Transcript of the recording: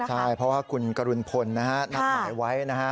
ใช่เพราะว่าคุณกรุณพลนะฮะนัดหมายไว้นะฮะ